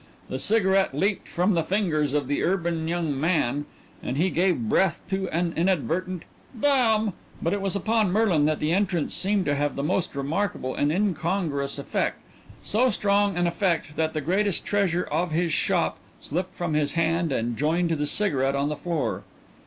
The cigarette leaped from the fingers of the urban young man and he gave breath to an inadvertent "Damn!" but it was upon Merlin that the entrance seemed to have the most remarkable and incongruous effect so strong an effect that the greatest treasure of his shop slipped from his hand and joined the cigarette on the floor.